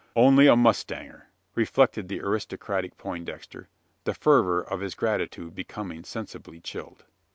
"Only a mustanger!" reflected the aristocratic Poindexter, the fervour of his gratitude becoming sensibly chilled.